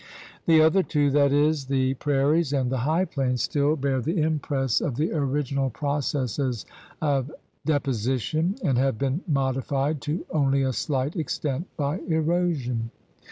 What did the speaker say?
The other two, that is, the 76 THE RED MAN'S CONTINENT prairies and the high plains, still bear the impress of the original processes of deposition and have been modified to only a slight extent by erosion.